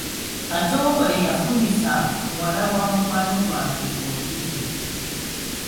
Katongole yafunisa muwala wa mukwano gwange olubuto.